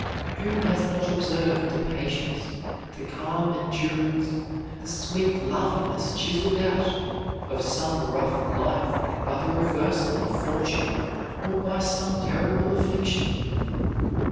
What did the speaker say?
Who has not observed the patience, the calm endurance, the sweet loveliness chiseled out of some rough life by the reversal of fortune or by some terrible affliction?